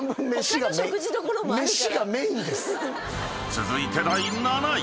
［続いて第７位］